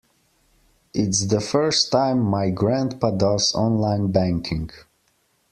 It's the first time my grandpa does online banking.